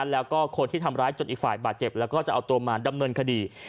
แล้วก็คนที่ทำร้ายจนอีกฝ่ายบาดเจ็บแล้วก็จะเอาตัวมาดำเนินคดี